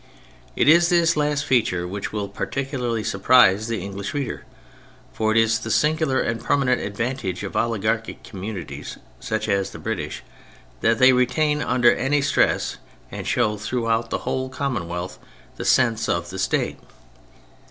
It is this last feature which will particularly surprise the English reader, for it is the singular and permanent advantage of oli garchic communities such as the British that they retain under any stress and show throughout the whole commonwealth the sense of the State.